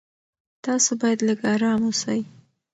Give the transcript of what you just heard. تاسو باید لږ ارام اوسئ.